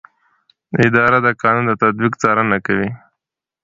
اداره د قانون د تطبیق څارنه کوي.